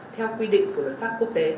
theo quy định của luật pháp quốc tế